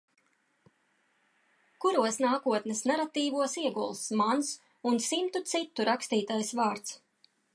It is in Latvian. Kuros nākotnes naratīvos ieguls mans un simtu citu rakstītais vārds.